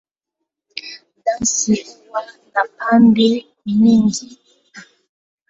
Dansi huwa na pande nyingi.